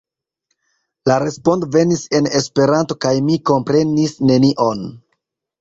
La respondo venis en Esperanto kaj mi komprenis nenion.